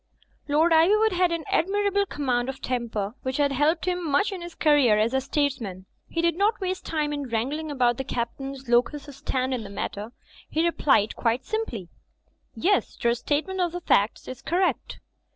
Lord Ivywood had an admirable command of tem per, which had helped him much in his career as a statesman. He did not waste time in wrangling about the Captain's locus standi in the matter. He replied quite simply, "Yes, Your statement of the facts is correct."